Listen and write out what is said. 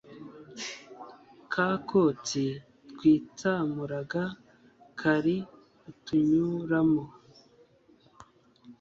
ka kotsi twitsamuraga kari utunyuramo